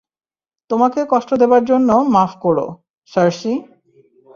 তোমাকে কষ্ট দেবার জন্য মাফ কোরো, সার্সি।